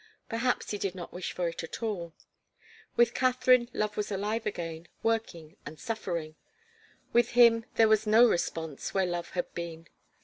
Perhaps he did not wish for it at all. With Katharine love was alive again, working and suffering. With him there was no response, where love had been.